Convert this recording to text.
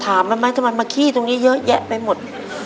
ถามมันมั้ยถ้ามันมาขี้ตรงนี้เยอะแยะไปหมด